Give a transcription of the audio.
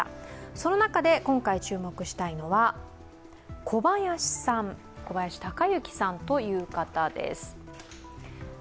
その中で今回注目したいのは小林鷹之さんという方です。